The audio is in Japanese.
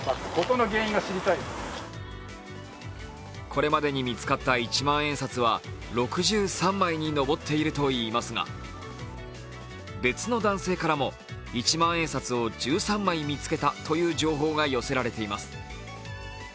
これまでに見つかった一万円札は６３枚に上っているといいますが別の男性からも一万円札を１３枚見つけたという情報が寄せられています。